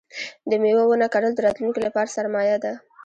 د مېوو ونه کرل د راتلونکي لپاره سرمایه ده.